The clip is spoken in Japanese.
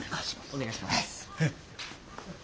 お願いします。